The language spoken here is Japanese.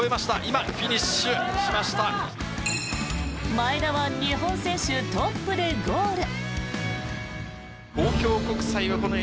前田は日本選手トップでゴール。